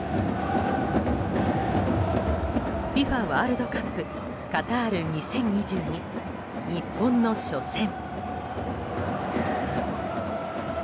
ＦＩＦＡワールドカップカタール２０２２、日本の初戦。